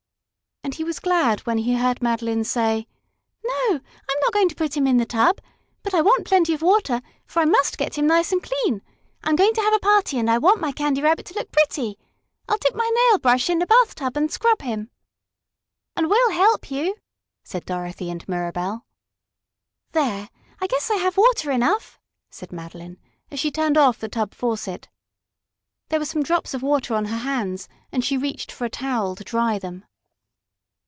And he was glad when he heard Madeline say: "No, I'm not going to put him in the tub. But I want plenty of water, for I must get him nice and clean. I'm going to have a party, and I want my Candy Rabbit to look pretty. I'll dip my nail brush in the bathtub and scrub him." "And we'll help you," said Dorothy and Mirabell. "There, I guess I have water enough," said Madeline, as she turned off the tub faucet. There were some drops of water on her hands, and she reached for a towel to dry them.